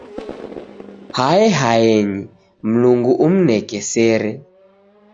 Hae haenyi, Mlungu umneke sere.